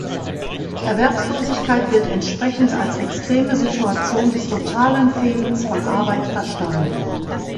Erwerbslosigkeit wird entsprechend als extreme Situation des totalen Fehlens von Arbeit verstanden.